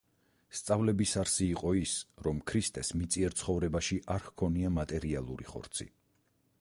სწავლების არსი იყო ის, რომ ქრისტეს მიწიერ ცხოვრებაში არ ჰქონია მატერიალური ხორცი.